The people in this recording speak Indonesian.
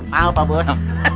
mau pak bos